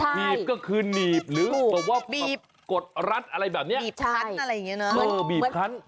บีบก็คือหนีบหรือแบบว่ากดรัดอะไรแบบนี้มันเหมือนบีบคัน